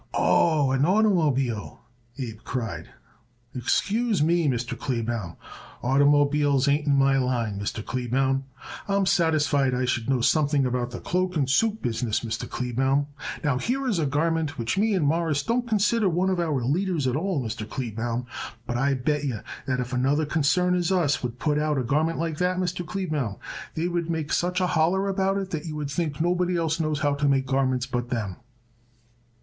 "Oh, an oitermobile!" Abe cried. "Excuse me, Mr. Kleebaum. Oitermobiles ain't in my line, Mr. Kleebaum. I'm satisfied I should know something about the cloak and suit business, Mr. Kleebaum. Now, here is a garment which me and Mawruss don't consider one of our leaders at all, Mr. Kleebaum. But I bet yer that if another concern as us would put out a garment like that, Mr. Kleebaum, they would make such a holler about it that you would think nobody else knows how to make garments but them."